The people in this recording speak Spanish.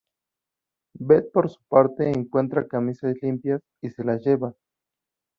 Beth, por su parte, encuentra camisas limpias y se las lleva.